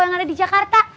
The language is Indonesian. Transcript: yang ada di jakarta